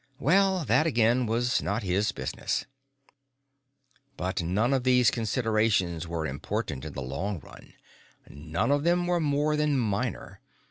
Well, that, again, was not his business. But none of these considerations were important in the long run; none of them were more than minor.